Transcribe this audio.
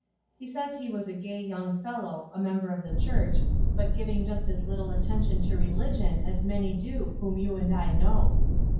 He says he was a gay young fellow; a member of the church, but giving just as little attention to religion as many do whom you and I know.